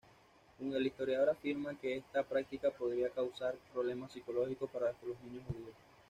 El historiador afirmaba que esta practica podría causar problemas psicológicos para los niños judíos.